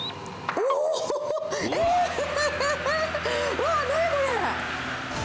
うわっ、何これ。